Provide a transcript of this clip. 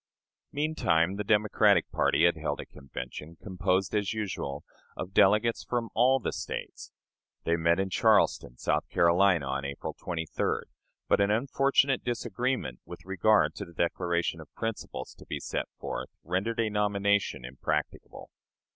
Meantime, the Democratic party had held a convention, composed as usual of delegates from all the States. They met in Charleston, South Carolina, on April 23d, but an unfortunate disagreement with regard to the declaration of principles to be set forth rendered a nomination impracticable.